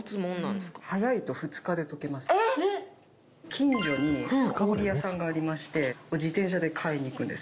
近所に氷屋さんがありまして自転車で買いに行くんです。